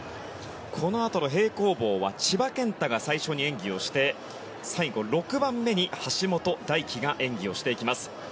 このあとの平行棒は千葉健太が最初に演技をして最後６番目に橋本大輝が演技をします。